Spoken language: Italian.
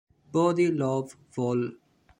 Body Love Vol.